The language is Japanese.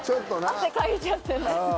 汗かいちゃってね。